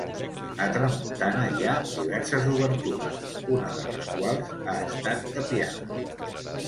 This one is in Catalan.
A tramuntana hi ha diverses obertures, una de les quals ha estat tapiada.